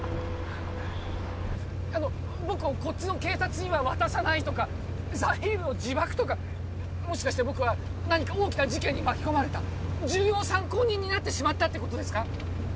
あの僕をこっちの警察には渡さないとかザイールの自爆とかもしかして僕は何か大きな事件に巻き込まれた重要参考人になってしまったってことですか？